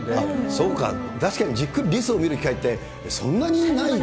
そうか、確かにじっくりリスを見る機会ってそんなにないか。